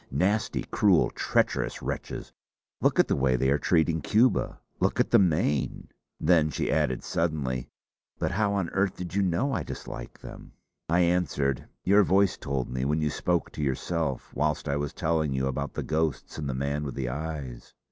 Nasty, cruel, treacherous wretches! Look at the way they are treating Cuba! Look at the Maine!" Then she added suddenly: "But how on earth did you know I dislike them." I answered: "Your voice told me when you spoke to yourself whilst I was telling you about the ghosts and the man with the eyes."